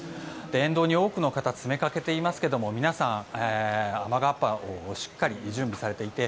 沿道に多くの方が詰めかけていますけれども皆さん、雨がっぱをしっかり準備されていて